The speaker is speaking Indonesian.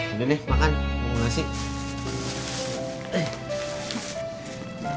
udah deh makan mau ngasih